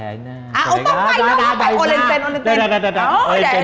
เอาต้องไปโอเลนเตน